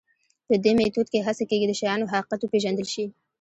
په دې میتود کې هڅه کېږي د شیانو حقیقت وپېژندل شي.